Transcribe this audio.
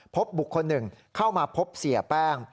พบบุคคล๑เข้ามาพบเสียแป้ง